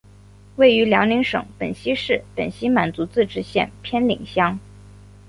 位于辽宁省本溪市本溪满族自治县偏岭乡。